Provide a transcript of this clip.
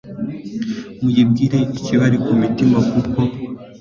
muyibwire ikibari ku mutima, kuko